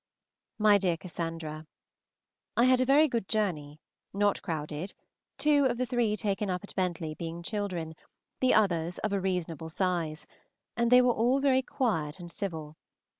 MY DEAR CASSANDRA, I had a very good journey, not crowded, two of the three taken up at Bentley being children, the others of a reasonable size; and they were all very quiet and civil.